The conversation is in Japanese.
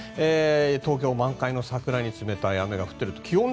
東京は満開の桜に冷たい雨が降っていると。